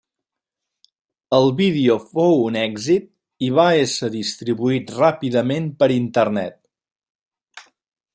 El vídeo fou un èxit i va ésser distribuït ràpidament per Internet.